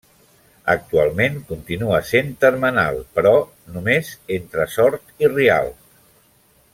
Actualment continua sent termenal, però només entre Sort i Rialp.